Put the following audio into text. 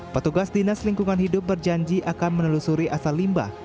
petugas dinas lingkungan hidup berjanji akan menelusuri asal limbah